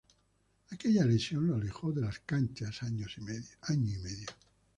Aquella lesión lo alejó de las canchas año y medio.